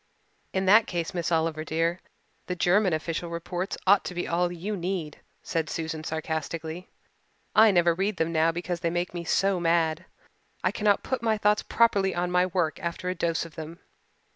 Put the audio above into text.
"In that case, Miss Oliver dear, the German official reports ought to be all you need," said Susan sarcastically. "I never read them now because they make me so mad I cannot put my thoughts properly on my work after a dose of them.